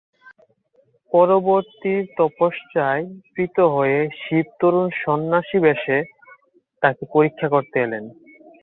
পার্বতীর তপশ্চর্যায় প্রীত হয়ে শিব তরুণ সন্ন্যাসীর বেশে তাকে পরীক্ষা করতে এলেন।